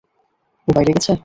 ও বাইরে গেছে?